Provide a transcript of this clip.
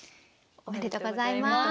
おめでとうございます。